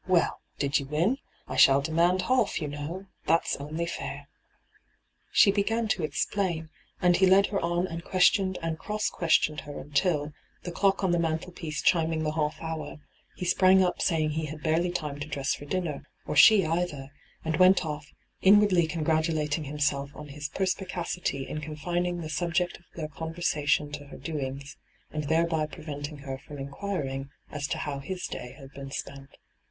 ' Well, did you win ? I shall demand half, you know. That's only fair.' She began to explain, and he led her on and questioned and cross questioned her until, the clock on the mantelpiece chiming the half hour, he sprang up saying he had barely time to dress for dinner, or she either, and went off, inwardly congratulating himself on his perspicacity in confining the subject of hyGoogle ENTRAPPED 215 their conversation to her doings, and thereby preventing her irom inquiring as to how his day had been spent.